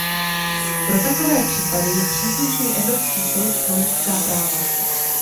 Pro takové případy je příslušný Evropský soud pro lidská práva.